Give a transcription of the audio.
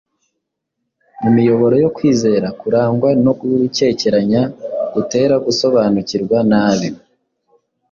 mu miyoboro yo kwizera kurangwa no gukekeranya gutera gusobanukirwa nabi